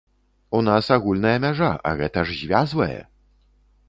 У нас агульная мяжа, а гэта ж звязвае!